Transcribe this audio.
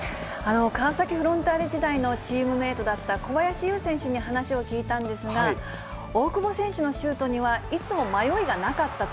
川崎フロンターレ時代のチームメートだった小林悠選手に話を聞いたんですが、大久保選手のシュートにはいつも迷いがなかったと。